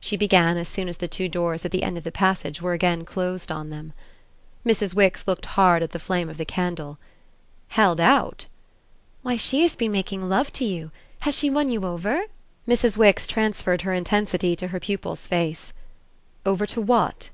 she began as soon as the two doors at the end of the passage were again closed on them. Mrs. Wix looked hard at the flame of the candle. "Held out ?" "Why, she has been making love to you. Has she won you over?" Mrs. Wix transferred her intensity to her pupil's face. "Over to what?"